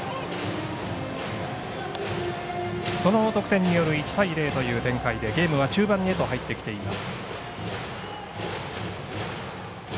その得点による１対０という展開でゲームは中盤へと入ってきています。